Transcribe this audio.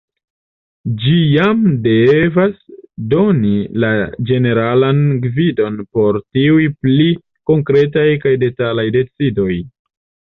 Ĝi jam devas doni la ĝeneralan gvidon por tiuj pli konkretaj kaj detalaj decidoj.